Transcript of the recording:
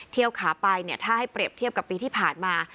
เที่ยวขาไปถ้าให้เปรียบเทียบกับปีที่ผ่านมา